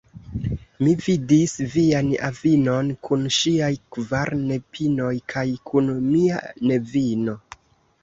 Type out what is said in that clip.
Mi vidis vian avinon kun ŝiaj kvar nepinoj kaj kun mia nevino.